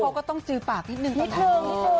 แล้วพวก็ต้องซื้อปากนิดนึงตอนนี้